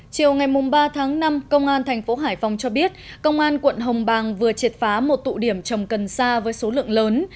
chiều ngày ba tháng năm công an thành phố hải phòng cho biết công an quận hồng bàng vừa triệt phá một tụ điểm trồng cần sa với số lượng lớn